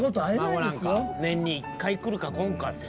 年に１回来るか来んか。